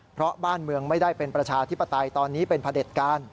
เพราะบ้านเมืองไม่ได้เป็นประชาธิปไตยตอนนี้เป็นพระเด็จการ